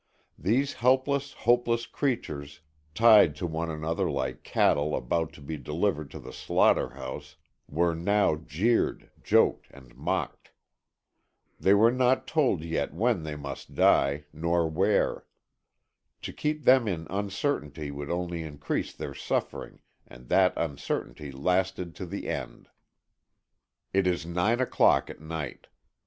These helpless, hopeless creatures, tied to one another like cattle about to be delivered to the slaughterhouse, were now jeered, joked and mocked. They were not told yet when they must die, nor where. To keep them in uncertainty would only increase their suffering and that uncertainty lasted to the end. It is nine o'clock at night.